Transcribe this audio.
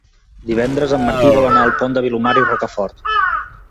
Divendres en Martí vol anar al Pont de Vilomara i Rocafort.